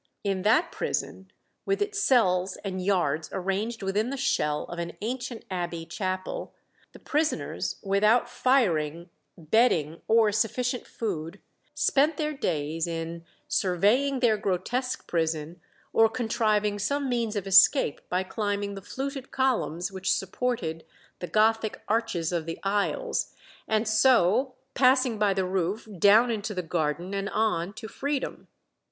In that prison, with its cells and yards arranged within the shell of an ancient abbey chapel, the prisoners, without firing, bedding, or sufficient food, spent their days "in surveying their grotesque prison, or contriving some means of escape by climbing the fluted columns which supported the Gothic arches of the aisles, and so passing by the roof down into the garden and on to freedom."